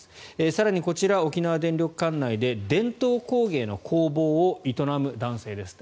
更に、こちら沖縄電力管内で伝統工芸の工房を営む男性です。